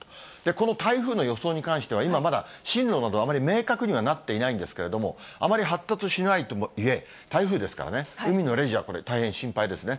この台風の予想に関しては、今まだ、進路など、あまり明確にはなっていないんですけども、あまり発達しないとはいえ、台風ですからね、海のレジャーは大変心配ですね。